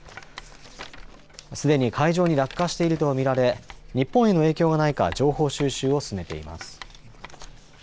すでに海上に落下していると見られ日本への影響がないか情報収集を進めています。